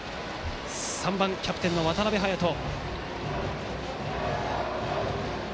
３番、キャプテンの渡邊颯人。